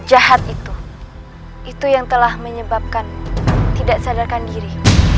jahat itu itu yang telah menyebabkan tidak sadarkan diri